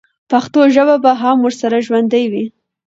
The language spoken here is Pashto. پښتو ژبه به هم ورسره ژوندۍ وي.